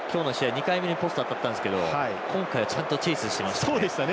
２回目のポスト当たったんですが今回は、ちゃんとチェースしていましたよね。